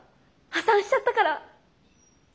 破産しちゃったから。